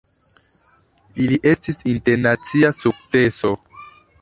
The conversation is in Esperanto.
Ili estis internacia sukceso.